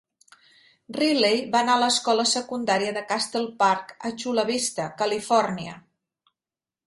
Riley va anar a l'escola secundària de Castle Park a Chula Vista, Califòrnia.